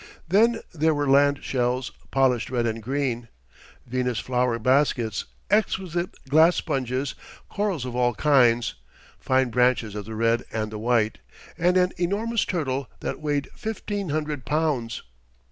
Then there were land shells, polished red and green, Venus' flower baskets, exquisite glass sponges, corals of all kinds fine branches of the red and the white and an enormous turtle that weighed fifteen hundred pounds.